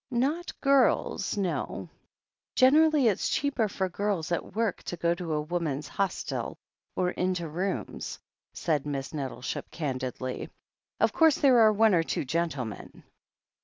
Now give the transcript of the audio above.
"Not girls, no. Generally it's cheaper for girls at work to go to a woman's hostel or into rooms," said Miss Nettleship candidly. "Of course, there are one or two gentlemen.